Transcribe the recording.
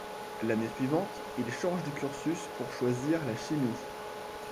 L'année suivante, il change de cursus pour choisir la chimie.